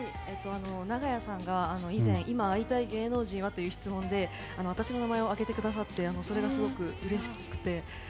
長屋さんが以前今、会いたい芸能人は？という質問で私の名前を挙げてくださってそれがすごくうれしくて。